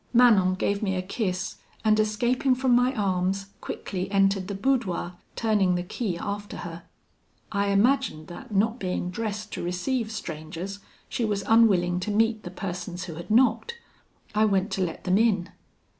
Manon gave me a kiss, and escaping from my arms, quickly entered the boudoir, turning the key after her. I imagined that, not being dressed to receive strangers, she was unwilling to meet the persons who had knocked; I went to let them in.